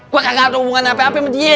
gue gak ada hubungan apa apa sama dia